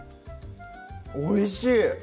おいしい！